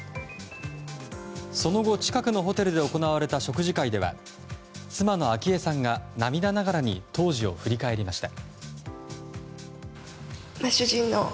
その後、近くのホテルで行われた食事会では妻の昭恵さんが、涙ながらに当時を振り返りました。